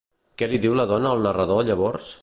Què li diu la dona al narrador llavors?